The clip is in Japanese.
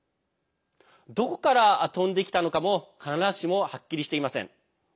どこから飛んできたのかも必ずしも、はっきりしていません。